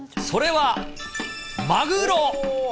それはマグロ。